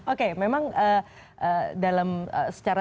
oke memang dalam secara singkat dikatakan bahwa komunikasi politik adalah